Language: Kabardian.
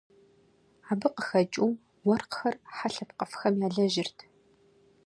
Абы къыхэкӀыу, уэркъхэр хьэ лъэпкъыфӀхэм елэжьырт.